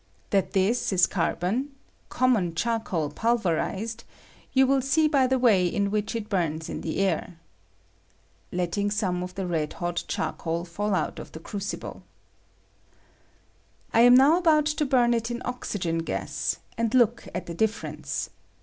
That this is carbon (com mon charcoal pulverized) yoir will see by the way in which it burns in the air [letting some of the red hot charcoal fall out of the cruci ble]. I am now about to bum it in oxygen gas, and look at the difference.